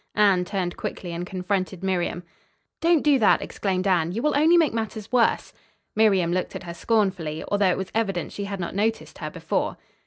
Anne turned quickly and confronted Miriam. "Don't do that!" exclaimed Anne. "You will only make matters worse." Miriam looked at her scornfully, although it was evident she had not noticed her before.